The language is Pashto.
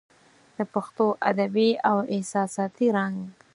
د پښتو ادبي او احساساتي رنګ